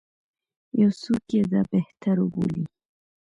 یو څوک یې دا بهتر وبولي.